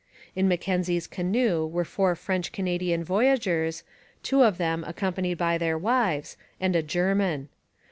In Mackenzie's canoe were four French Canadian voyageurs, two of them accompanied by their wives, and a German.